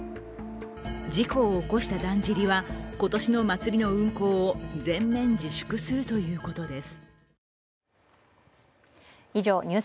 事故を起こしただんじりは、今年の祭りの運行を全面自粛するということです。